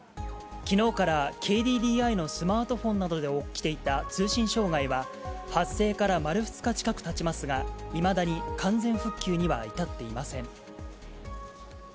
きのうからＫＤＤＩのスマートフォンなどで起きていた通信障害は発生から丸２日近くたちますが、いまだに完全復旧には至っていません。